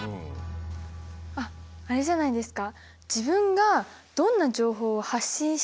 あっあれじゃないですか？